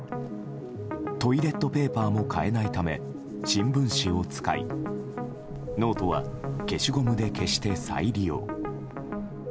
トイレットペーパーも買えないため新聞紙を使いノートは消しゴムで消して再利用。